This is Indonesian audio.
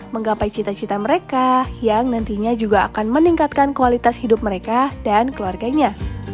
menggapai cita cita mereka yang nantinya juga akan meningkatkan kualitas hidup mereka dan keluarganya